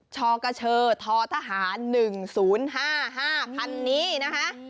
ชกเชอททหาร๑๐๕๕คันนี้นะคะ